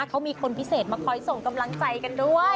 เขามีคนพิเศษมาคอยส่งกำลังใจกันด้วย